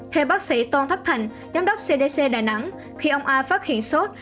theo bác sĩ tôn thắc thạnh giám đốc cdc đà nẵng khi ông a phát hiện sốt